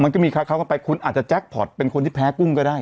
มันก็มีค้ากันไปคุณอาจจะแจ็คพอร์ตเป็นคนที่แพ้กุ้งก็ได้